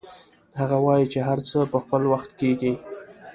هغه وایي چې هر څه په خپل وخت کیږي